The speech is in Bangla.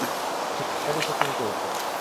সেটারই চেকিং চলছে।